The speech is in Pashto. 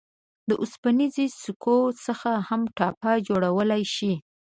د اوسپنیزو سکو څخه هم ټاپه جوړولای شئ.